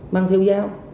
mang theo giáo